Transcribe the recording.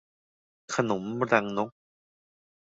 ขนมรังนก